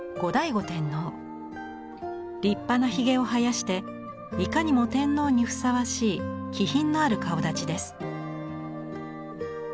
立派なひげを生やしていかにも天皇にふさわしい気品のある顔だちです。